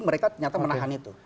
mereka ternyata menahan itu